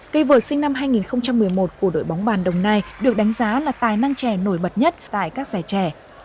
cây vợt sinh năm hai nghìn một mươi một của đội bóng bàn đồng nai được đánh giá là tài năng trẻ nổi bật nhất tại các giải trẻ